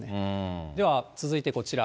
では、続いてこちら。